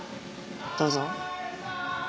どうぞ。